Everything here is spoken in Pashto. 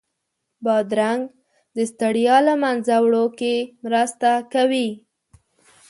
بادرنګ د ستړیا له منځه وړو کې مرسته کوي.